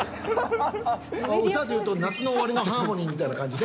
歌で例えると夏の終わりのハーモニーみたいな感じで。